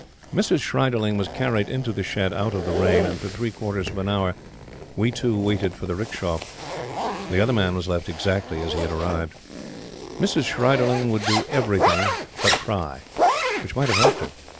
Mrs. Schreiderling was carried into the shed out of the rain, and for three quarters of an hour we two waited for the 'rickshaw. The Other Man was left exactly as he had arrived. Mrs. Schreiderling would do everything but cry, which might have helped her.